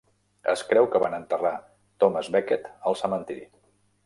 Es creu que van enterrar Thomas Becket al cementiri.